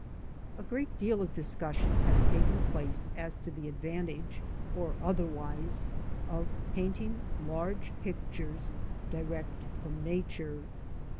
A GREAT deal of discussion has taken place as to the advan tage or otherwise of painting large pictures direct from Nature.